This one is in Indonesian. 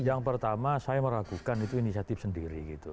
yang pertama saya meragukan itu inisiatif sendiri gitu